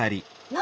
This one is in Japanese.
何？